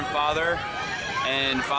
dan ikuti harapan anda